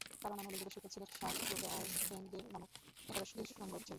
তার অন্যান্য উল্লেখযোগ্য শিক্ষক ছিলেন সাংস-র্গ্যাস-সেং-গে নামক একাদশ ঙ্গোর-ছেন।